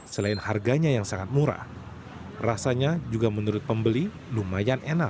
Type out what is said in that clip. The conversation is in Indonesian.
selain harganya yang sangat murah rasanya juga menurut pembeli lumayan enak